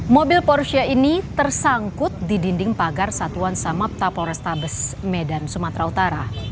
mobil porsia ini tersangkut di dinding pagar satuan samapta polrestabes medan sumatera utara